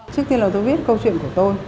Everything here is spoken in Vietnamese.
trước tiên là tôi viết câu chuyện của tôi